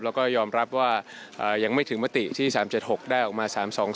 แล้วก็ยอมรับว่ายังไม่ถึงมติที่๓๗๖ได้ออกมา๓๒